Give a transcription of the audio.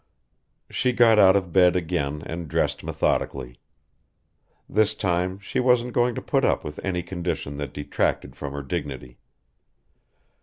She got out of bed again and dressed methodically. This time she wasn't going to put up with any condition that detracted from her dignity.